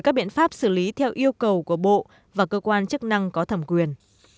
các biện pháp xử lý theo yêu cầu của bộ và cơ quan chức năng có thẩm quyền